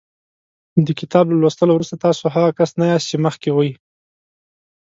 د کتاب له لوستلو وروسته تاسو هغه کس نه یاست چې مخکې وئ.